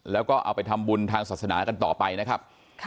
แล้วก็เอาไปทำบุญทางศาสนากันต่อไปนะครับ